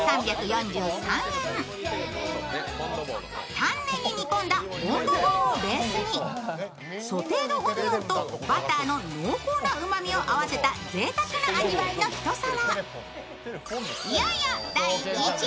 丹念に煮込んだフォン・ド・ボーをベースにソテー・ド・オニオンとバターの濃厚な旨みを合わせたぜいたくな味わいの一皿。